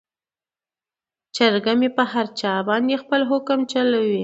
چرګه مې په هر چا باندې خپل حکم چلوي.